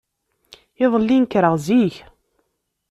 Iḍelli, nekreɣ zik.